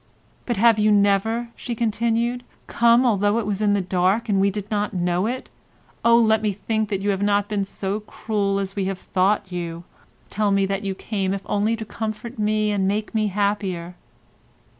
"But have you never," she continued, "come although it was in the dark and we did not know it—oh, let me think that you have not been so cruel as we have thought you. Tell me that you came if only to comfort me and make me happier."